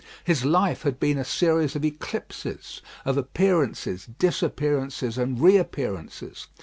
His life had been a series of eclipses of appearances, disappearances, and reappearances.